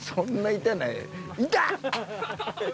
痛っ！